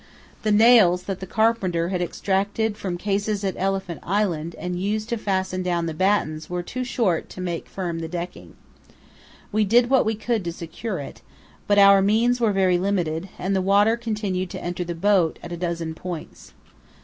The nails that the carpenter had extracted from cases at Elephant Island and used to fasten down the battens were too short to make firm the decking. We did what we could to secure it, but our means were very limited, and the water continued to enter the boat at a dozen points.